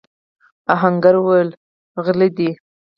آهنګر وويل: غله دي!